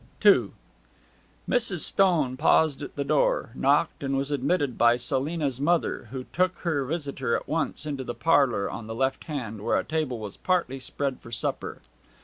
II Mrs. Stone paused at the door, knocked, and was admitted by Selina's mother, who took her visitor at once into the parlour on the left hand, where a table was partly spread for supper.